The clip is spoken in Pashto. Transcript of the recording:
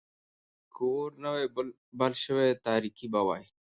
که اور نه وای بل شوی، تاريکي به وای.